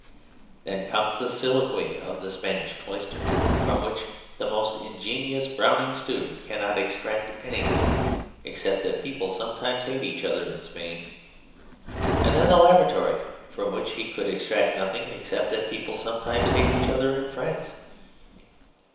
Then comes "The Soliloquy of the Spanish Cloister," from which the most ingenious "Browning student" cannot extract anything except that people sometimes hate each other in Spain; and then "The Laboratory," from which he could extract nothing except that people sometimes hate each other in France.